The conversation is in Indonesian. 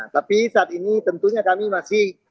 tapi saat ini tentunya kami masih